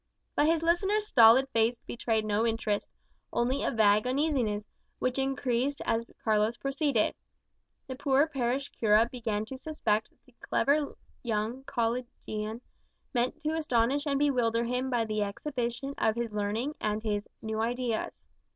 But his listener's stolid face betrayed no interest, only a vague uneasiness, which increased as Carlos proceeded. The poor parish cura began to suspect that the clever young collegian meant to astonish and bewilder him by the exhibition of his learning and his "new ideas."